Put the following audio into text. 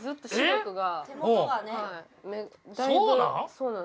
そうなん？